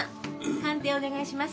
鑑定お願いします。